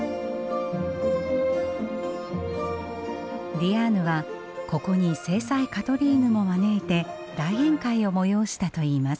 ディアーヌはここに正妻カトリーヌも招いて大宴会を催したといいます。